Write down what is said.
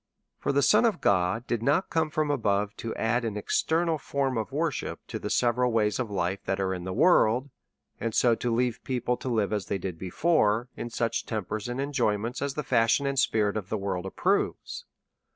For the Son of God did not come from above to add an external form of worship to the several ways of life that are in the world,, and so to leave people to live as they did before, in such tempers and enjoyments as the fashion and spirit of the world approves.